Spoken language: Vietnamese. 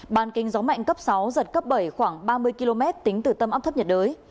bàn kinh gió mạnh cấp sáu giật cấp bảy khoảng ba mươi km tính từ tâm áp thấp nhiệt đới